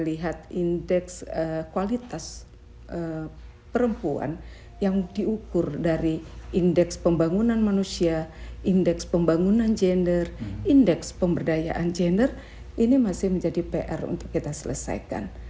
kita lihat indeks kualitas perempuan yang diukur dari indeks pembangunan manusia indeks pembangunan gender indeks pemberdayaan gender ini masih menjadi pr untuk kita selesaikan